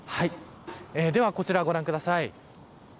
こちらをご覧ください。